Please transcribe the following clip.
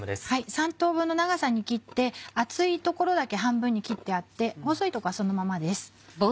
３等分の長さに切って厚い所だけ半分に切ってあって細い所はそのままです。